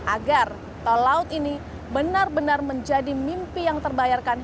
agar tol laut ini benar benar menjadi mimpi yang terbayarkan